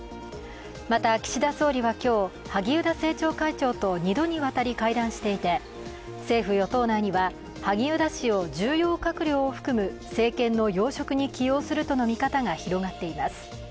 また岸田総理は今日、萩生田政調会長と２度にわたり会談していて、政府・与党内には萩生田氏を重要閣僚を含む、政権の要職に起用するとの見方が広がっています。